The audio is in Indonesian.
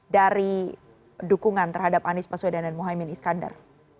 dari dukungan terhadap anies paswedan dan muhammad iskandar